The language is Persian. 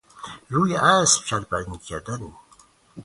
روی اسب شرط بندی کردن